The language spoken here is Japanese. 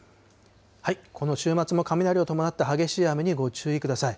この週末も雷を伴った激しい雨にご注意ください。